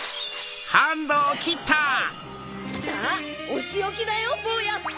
おしおきだよぼうや！